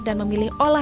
dekara lebih tinggi